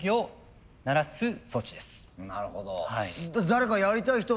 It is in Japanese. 誰かやりたい人。